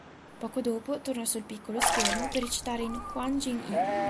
Poco dopo torna sul piccolo schermo per recitare in "Hwang Jin-yi".